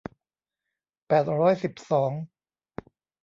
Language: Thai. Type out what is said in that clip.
แปดร้อยสิบสอง